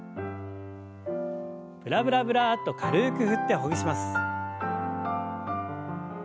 ブラブラブラッと軽く振ってほぐします。